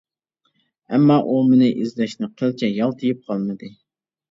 ئەمما ئۇ مېنى ئىزدەشتىن قىلچە يالتىيىپ قالمىدى.